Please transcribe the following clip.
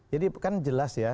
jadi kan jelas ya